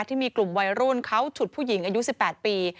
ที่มีกลุ่มวัยรุ่นเขาฉุดผู้หญิงอายุ๑๘ปี